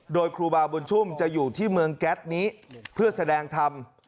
โดยครูบาบุญชุมจะอยู่ที่เมืองแก๊สนี้เพื่อแสดงธรรม